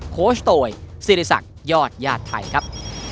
โคชโตยศิริษักยอดญาติไทยครับ